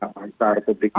pasar publik ini